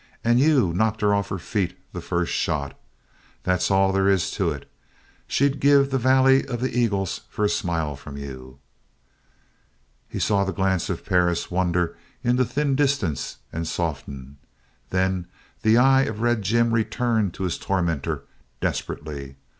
And you knocked her off her feet the first shot. That's all there is to it. She'd give the Valley of the Eagles for a smile from you." He saw the glance of Perris wander into thin distance and soften. Then the eye of Red Jim returned to his tormentor, desperately.